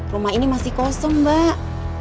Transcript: rumah ini masih kosong mbak